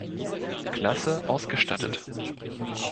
Klasse ausgestattet.